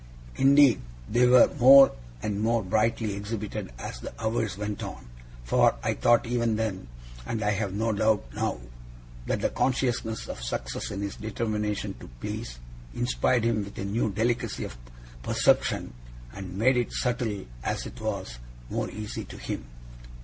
Indeed, they were more and more brightly exhibited as the hours went on; for I thought even then, and I have no doubt now, that the consciousness of success in his determination to please, inspired him with a new delicacy of perception, and made it, subtle as it was, more easy to him.